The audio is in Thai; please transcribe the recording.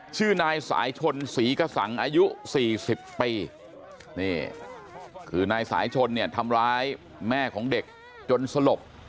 ชื่อนายสายชนศรีกระสังอายุ๔๐ปีนี่คือนายสายชนเนี่ยทำร้ายแม่ของเด็กจนสลบ